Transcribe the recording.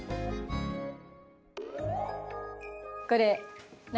これ何？